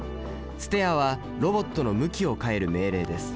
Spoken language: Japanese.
「ｓｔｅｅｒ」はロボットの向きを変える命令です。